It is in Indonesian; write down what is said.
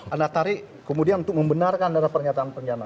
anda tarik kemudian untuk membenarkan data pernyataan penjama